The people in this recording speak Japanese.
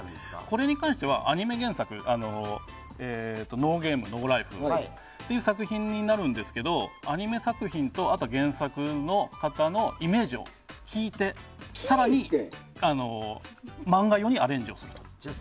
これに関してはアニメ原作の「ノーゲーム・ノーライフ」という作品になるんですけどアニメ作品と、あとは原作の方のイメージを聞いて更に、漫画用にアレンジをする。